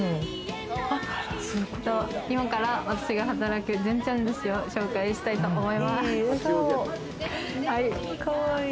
今から、私が働く淳ちゃん寿司を紹介したいと思います。